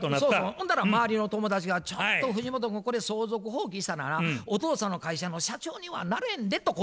ほんだら周りの友達が「ちょっと藤本君これ相続放棄したらなお父さんの会社の社長にはなれんで」とこう言われたんや。